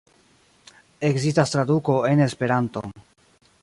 Ekzistas traduko en Esperanton.